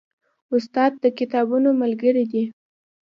استاد د کتابونو ملګری دی.